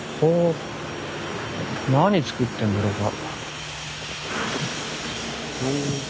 何つくってんだろうか。